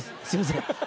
すいません